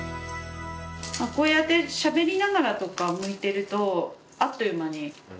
こうやってしゃべりながらとかむいてるとあっという間に。